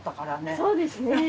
そうですね。